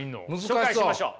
紹介しましょう。